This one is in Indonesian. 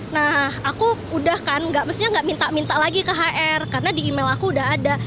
nah aku udah kan nggak mestinya nggak minta minta lagi ke hr karena di email aku udah ada